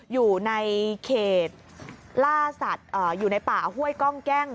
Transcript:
อยู่ในเขตล่าสัตว์อยู่ในป่าห้วยกล้องแก้ง